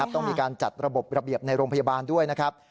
ต้องมีการจัดระบบระเบียบในโรงพยาบาลด้วยนะครับ